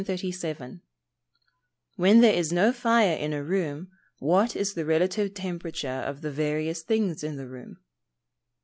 _When there is no fire in a room, what is the relative temperature of the various things in the room?